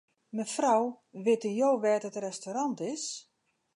Mefrou, witte jo wêr't it restaurant is?